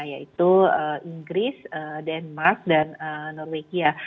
yaitu inggris denmark dan norwegia